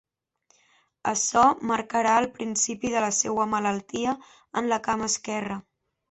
Açò marcarà el principi de la seua malaltia en la cama esquerra.